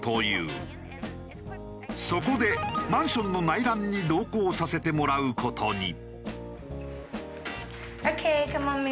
そこでマンションの内覧に同行させてもらう事に。